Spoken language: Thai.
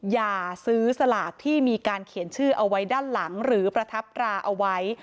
อย่าซื้อสลากที่มีการเขียนชื่อเอาไว้ด้านหลังหรือประทับราเอาไว้